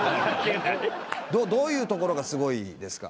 どういうところがすごいですか？